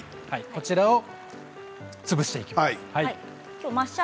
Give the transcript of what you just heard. こちらを潰していきます。